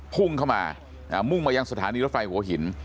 พุ่งเข้ามามุ่งมายังสถานีรถไฟหัวหิน